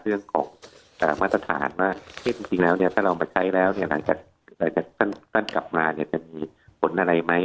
เรื่องของมาตรฐานว่าถ้าเรามาใช้แล้วหลังจากตั้งกลับมาจะมีผลอะไรไหม